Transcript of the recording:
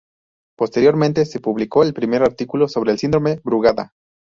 Posteriormente se publicó el primer artículo sobre el síndrome Brugada.